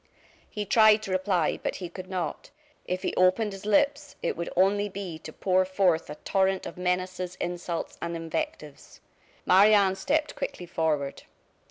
He tried to reply, but he could not. If he opened his lips it would only be to pour forth a torrent of menaces, insults, and invectives. Marie Anne stepped quickly forward.